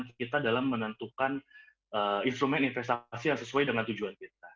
untuk kita dalam menentukan instrumen investasi yang sesuai dengan tujuan kita